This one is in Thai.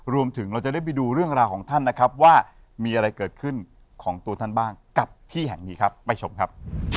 รวมถึงเราจะได้ไปดูเรื่องราวของท่านนะครับว่ามีอะไรเกิดขึ้นของตัวท่านบ้างกับที่แห่งนี้ครับไปชมครับ